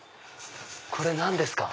これ何ですか？